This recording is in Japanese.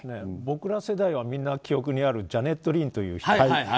僕ら世代はみんな記憶にあるジャネット・リンという選手。